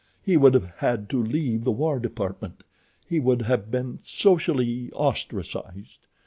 He would have had to leave the war department. He would have been socially ostracized.